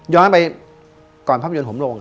ไปก่อนภาพยนตร์ผมลง